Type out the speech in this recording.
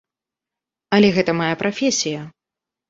Але гэта мая прафесія.